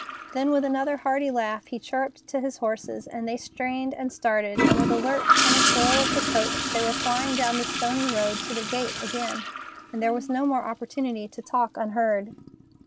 Then with another hearty laugh he chirruped to his horses, and they strained and started, and with a lurch and a swirl of the coach they were flying down the stony road to the gate again, and there was no more opportunity to talk unheard.